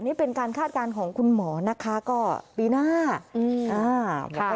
นี่เป็นการคาดการณ์ของคุณหมอนะคะก็ปีหน้าอืมอ่า